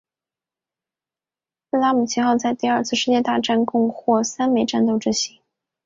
拉姆齐号在第二次世界大战共获三枚战斗之星。